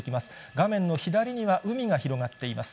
画面の左には海が広がっています。